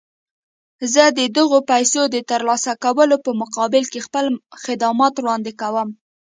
زه د دغو پيسو د ترلاسه کولو په مقابل کې خپل خدمات وړاندې کوم.